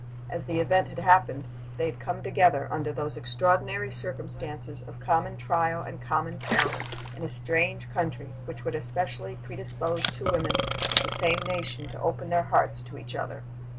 As the event had happened, they had come together, under those extraordinary circumstances of common trial and common peril, in a strange country, which would especially predispose two women of the same nation to open their hearts to each other.